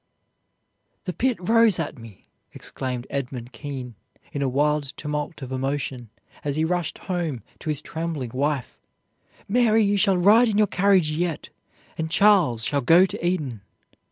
"The pit rose at me!" exclaimed Edmund Kean in a wild tumult of emotion, as he rushed home to his trembling wife. "Mary, you shall ride in your carriage yet, and Charles shall go to Eton!"